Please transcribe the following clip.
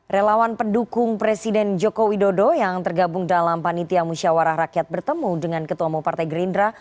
relawan pendukung presiden joko widodo yang tergabung dalam panitia musyawarah rakyat bertemu dengan ketua umum partai gerindra